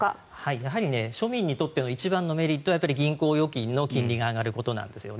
やはり庶民にとっての一番のメリットは銀行預金の金利が上がることなんですよね。